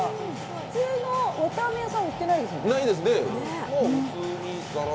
普通のわたあめ屋さんに売ってないですよね。